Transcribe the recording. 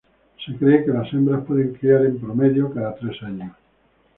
Se cree que las hembras pueden criar en promedio cada tres años.